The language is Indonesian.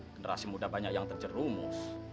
generasi muda banyak yang terjerumus